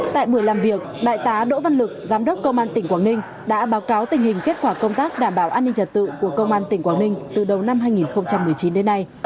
tại buổi làm việc đại tá đỗ văn lực giám đốc công an tỉnh quảng ninh đã báo cáo tình hình kết quả công tác đảm bảo an ninh trật tự của công an tỉnh quảng ninh từ đầu năm hai nghìn một mươi chín đến nay